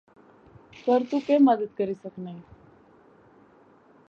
فہ تو کیہہ مدد کری سکنائیں